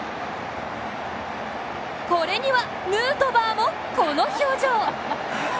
これにはヌートバーも、この表情。